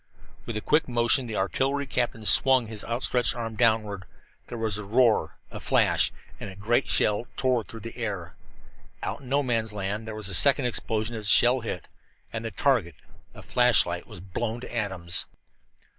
With a quick motion the artillery captain swung his outstretched arm downward. There was a roar, a flash, and a great shell tore through the air. Out in No Man's Land there was a second explosion as the shell hit, and the target a flashlight was blown to atoms.